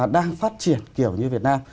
đang phát triển kiểu như việt nam